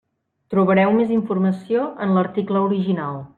Trobareu més informació en l'article original.